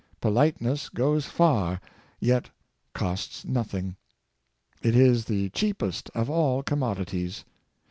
Polite ness goes far, yet costs nothing. It is the cheapest of all commodities.